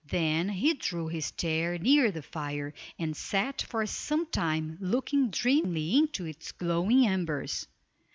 Then he drew his chair near the fire, and sat for sometime looking dreamily into its glowing embers.